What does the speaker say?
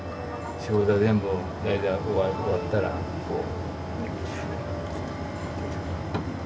仕事が全部大体終わったらこう。